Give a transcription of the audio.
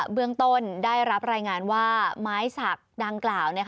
เบื้องต้นได้รับรายงานว่าไม้สักดังกล่าว